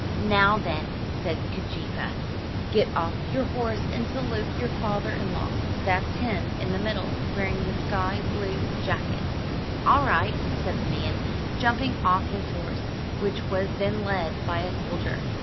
"Now, then," said Keejeepaa, "get off your horse and salute your father in law. That's him in the middle, wearing the sky blue jacket." "All right," said the man, jumping off his horse, which was then led by a soldier.